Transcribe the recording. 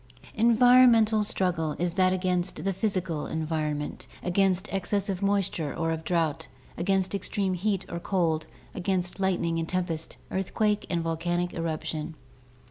Environmental struggle is that against the physical environment — against excess of moisture or of drought, against extreme heat or cold, against lightning and tempest, earthquake and volcanic eruption.